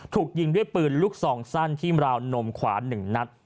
ถูกยิงด้วยปืนลูกซองสั้นที่ราวนมขวา๑นัด